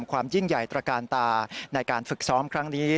ความยิ่งใหญ่ตระกาลตาในการฝึกซ้อมครั้งนี้